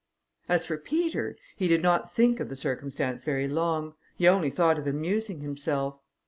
As for Peter, he did not think of the circumstance very long, he only thought of amusing himself.